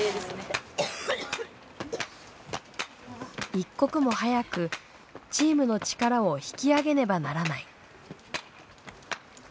一刻も早くチームの力を引き上げねばならない。